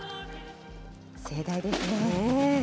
盛大ですね。